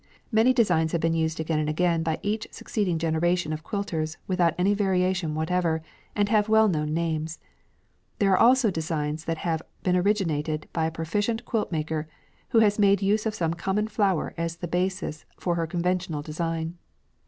Many designs have been used again and again by each succeeding generation of quilters without any variation whatever, and have well known names. There are also designs that have been originated by a proficient quilt maker, who has made use of some common flower as the basis for her conventional design.